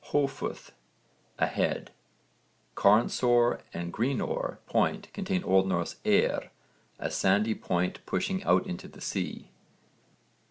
höfuð, 'a head,' Carnsore and Greenore Point contain O.N. eyrr, 'a sandy point pushing out into the sea.'